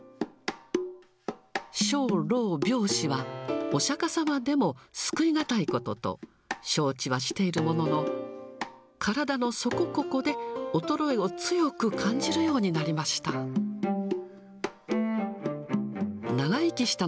生老病死は、お釈迦様でも救い難いことと、承知はしているものの、体のそこここで、衰えを強く感じるようになりました。